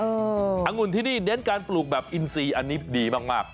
อังุ่นที่นี่เน้นการปลูกแบบอินซีอันนี้ดีมาก